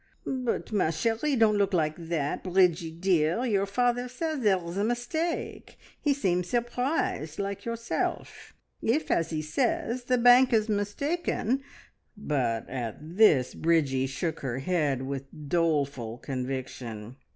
"But, ma cherie don't look like that, Bridgie dear! Your father says there is a mistake. He seemed surprised like yourself. If, as he says, the bank is mistaken " But at this Bridgie shook her head with doleful conviction.